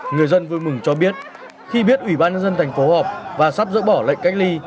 người dân vui mừng cho biết khi biết ủy ban nhân dân thành phố họp và sắp dỡ bỏ lệnh cách ly